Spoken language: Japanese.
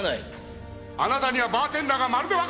あなたにはバーテンダーがまるでわかってない！